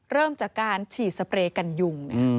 เริ่มจากการฉีดสเปรย์กันยุง